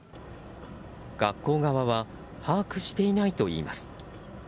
学校側は把握していないといいます。